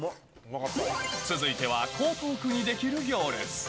続いては江東区にできる行列。